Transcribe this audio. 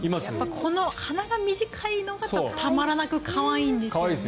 この鼻が短いのがたまらなく可愛いんですよね。